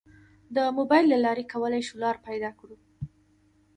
د موبایل له لارې کولی شو لار پیدا کړو.